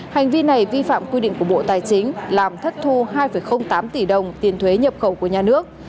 hành vi này vi phạm quy định của bộ tài chính làm thất thu hai tám tỷ đồng tiền thuế nhập khẩu của nhà nước